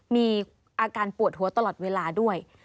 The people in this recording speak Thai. มีอาการปวดหัวตลอดเวลาด้วย